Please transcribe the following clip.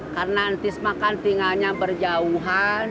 karena entis makan tingannya berjauhan